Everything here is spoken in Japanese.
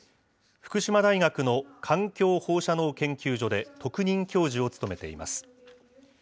福島大学の環境放射能研究所で特任教授を務めています。